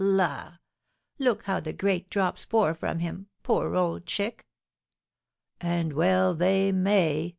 La! Look how the great drops pour from him, poor old chick!" "And well they may!"